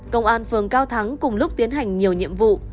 công an phường cao thắng cùng lúc tiến hành nhiều nhiệm vụ